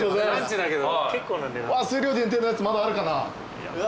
数量限定のやつまだあるかな？